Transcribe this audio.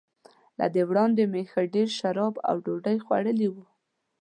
له دې وړاندي مې ښه ډېر شراب او ډوډۍ خوړلي وو.